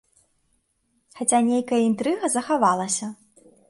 Хаця нейкая інтрыга захавалася.